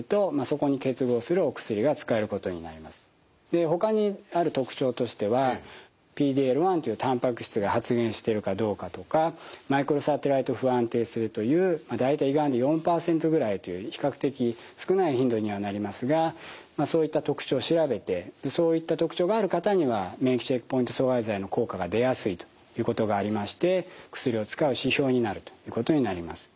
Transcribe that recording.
でほかにある特徴としてはＰＤ−Ｌ１というたんぱく質が発現してるかどうかとかマイクロサテライト不安定性という大体胃がんに４％ぐらいという比較的少ない頻度にはなりますがそういった特徴を調べてそういった特徴がある方には免疫チェックポイント阻害剤の効果が出やすいということがありまして薬を使う指標になるということになります。